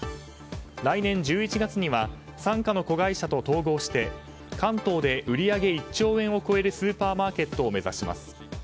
来年１１月には傘下の子会社と統合して関東で売り上げ１兆円を超えるスーパーマーケットを目指します。